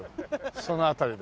その辺りで。